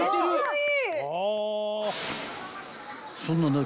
［そんな中］